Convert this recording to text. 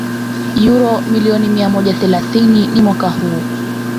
uro milioni mia moja themani ni Mwaka huu